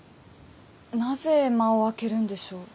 なぜ間を空けるんでしょう？